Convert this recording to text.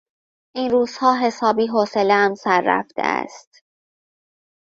این روزها حسابی حوصلهام سر رفته است.